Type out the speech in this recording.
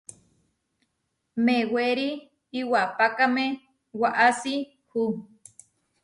Mewéri iwapákame waʼási hu.